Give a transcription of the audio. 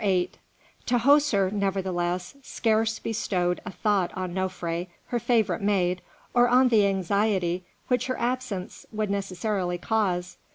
VIII Tahoser, nevertheless, scarce bestowed a thought on Nofré, her favourite maid, or on the anxiety which her absence would necessarily cause.